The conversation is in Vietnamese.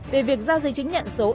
về việc giao giấy chứng nhận số